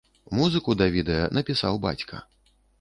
Музыку да відэа напісаў бацька.